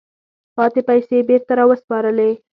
پاتې پیسې یې بیرته را وسپارلې.